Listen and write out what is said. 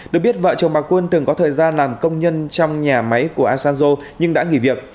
được biết vợ chồng bà quân từng có thời gian làm công nhân trong nhà máy của asanzo nhưng đã nghỉ việc